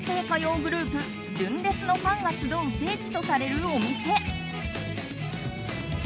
歌謡グループ、純烈のファンが集う聖地とされるお店。